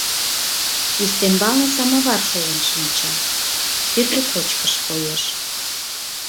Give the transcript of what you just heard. Ӱстембалне самовар шолын шинча, тӱрлӧ кочкыш коеш.